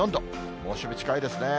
猛暑日近いですね。